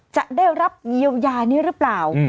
จะได้รับเยียวยานี้หรือเปล่า